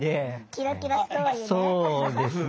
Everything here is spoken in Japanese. キラキラストーリーね。